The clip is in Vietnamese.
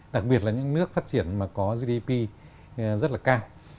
đặc biệt là những nước phát triển mà có gdp rất là cao